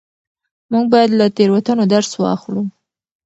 موږ باید له تېروتنو درس واخلو.